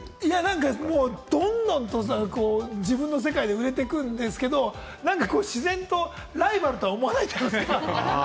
どんどんと自分の世界で売れていくんですけれども、自然とライバルとは思えなくなって。